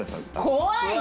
怖い！